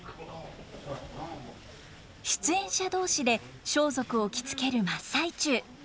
出演者同士で装束を着付ける真っ最中。